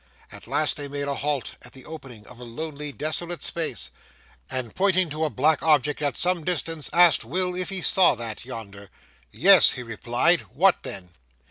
At last they made a halt at the opening of a lonely, desolate space, and, pointing to a black object at some distance, asked Will if he saw that, yonder. 'Yes,' he replied. 'What then?